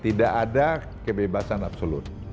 tidak ada kebebasan absolut